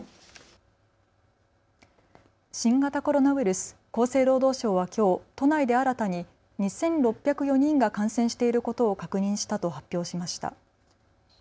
新型コロナウイルス、厚生労働省はきょう都内で新たに２６０４人が感染していることを確認したと発表しました。